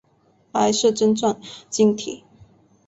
白色针状晶体。